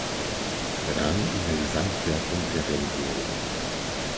Rang in der Gesamtwertung der Rennserie.